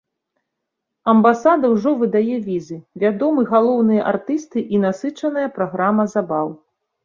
Амбасада ўжо выдае візы, вядомы галоўныя артысты і насычаная праграма забаў.